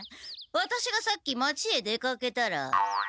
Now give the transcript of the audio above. ワタシがさっき町へ出かけたら。